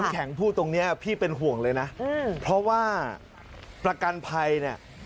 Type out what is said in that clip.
แข็งพูดตรงนี้พี่เป็นห่วงเลยนะเพราะว่าประกันภัยเนี่ย